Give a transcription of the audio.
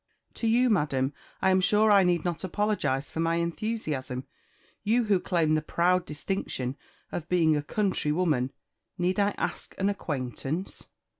To you, Madam, I am sure I need not apologise for my enthusiasm you who claim the proud distinction of being a country woman, need I ask an acquaintance?"